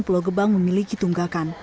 pulau gebang memiliki tunggakan